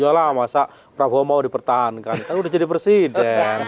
udahlah masa prabowo mau dipertahankan kan udah jadi presiden